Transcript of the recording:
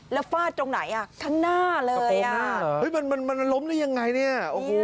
แล้วฟาดตรงไหนอ่ะข้างหน้าเลยอ่ะเฮ้ยมันมันล้มได้ยังไงเนี่ยโอ้โห